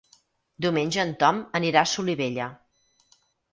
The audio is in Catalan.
Diumenge en Tom anirà a Solivella.